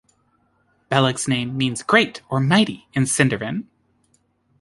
Beleg's name means "great" or "mighty" in Sindarin.